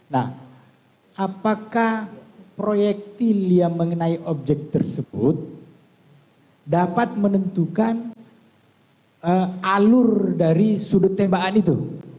nah apakah proyektil yang mengenai objek tersebut dapat menentukan alur dari sudut tembakan itu